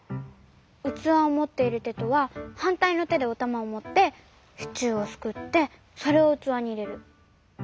うつわをもっているてとははんたいのてでおたまをもってシチューをすくってそれをうつわにいれる。